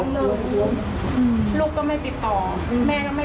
มีความรู้สึกว่ามีความรู้สึกว่า